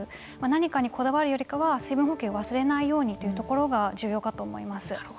何かにこだわるよりかは水分補給を忘れないようにというところが重要かと思います。